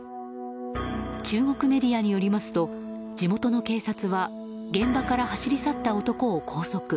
中国メディアによりますと地元の警察は現場から走り去った男を拘束。